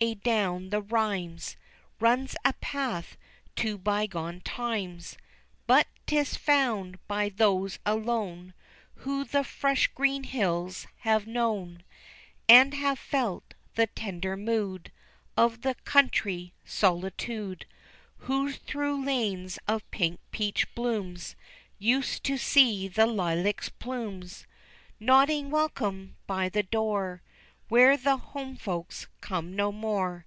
Adown the rhymes Runs a path to bygone times; But 'tis found by those alone, Who the fresh green hills have known, And have felt the tender mood Of the country solitude; Who through lanes of pink peach blooms Used to see the lilac's plumes Nodding welcome by the door Where the home folks come no more.